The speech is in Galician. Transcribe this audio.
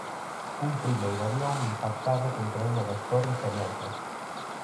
Un primeiro avión impactaba contra unha das torres xemelgas.